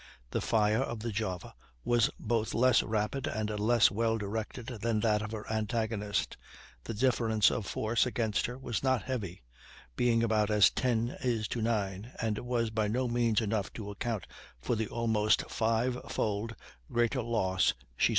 The fire of the Java was both less rapid and less well directed than that of her antagonist; the difference of force against her was not heavy, being about as ten is to nine, and was by no means enough to account for the almost fivefold greater loss she suffered.